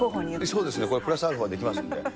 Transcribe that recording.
そうですね、プラスアルファいきますので。